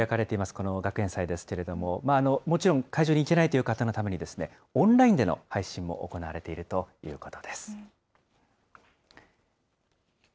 この学園祭ですけれども、もちろん会場に行けないという方のために、オンラインでの配信も行われているということです。